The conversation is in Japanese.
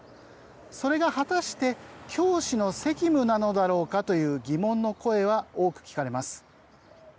それが果たして教師の責務なのだろうかという疑問の声は多く聞かれます。